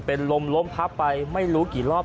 เป็นลมล้มพับไปไม่รู้กี่รอบ